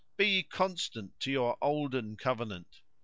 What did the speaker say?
be ye constant to your olden covenant?"